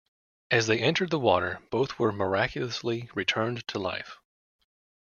As they entered the water, both were miraculously returned to life.